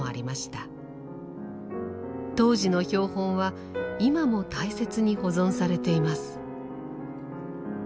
当時の標本は今も大切に保存されています。